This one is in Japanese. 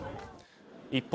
一方